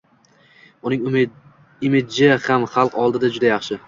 Uning imidji ham xalq oldida juda yaxshi.